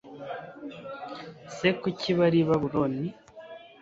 se kuki bari i babuloni